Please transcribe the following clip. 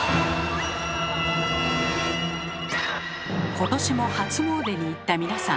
今年も初詣に行った皆さん。